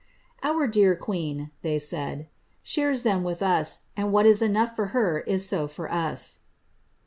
^ Our dear queen,'' they said, ^ shares them with us, and what is enough for her is so for us."